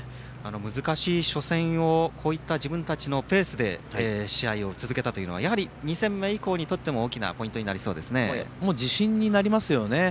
難しい初戦こういった、自分たちのペースで試合を作れたというのは２戦目以降にも自信になりますよね。